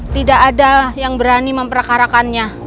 tidak ada yang berani memperkarakannya